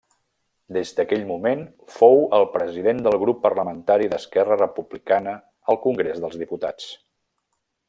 Des d'aquell moment fou el president del Grup Parlamentari d'Esquerra Republicana al Congrés dels Diputats.